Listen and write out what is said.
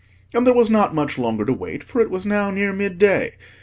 And there was not much longer to wait, for it was now near mid day.